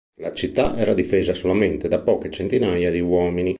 La città era difesa solamente da poche centinaia di uomini.